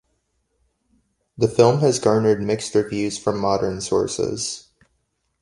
The film has garnered mixed reviews from modern sources.